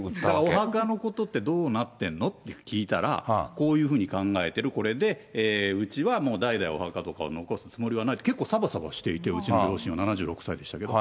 お墓のことってどうなってるの？と聞いたら、こういうふうに考えてる、これでうちはもう代々お墓とかを残すつもりはないと、結構さばさばしていて、うちの両親、７６歳でしたけど。